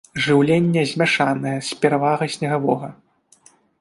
Жыўленне змяшанае, з перавагай снегавога.